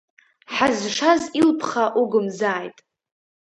Ҳазшаз илԥха угымзааит.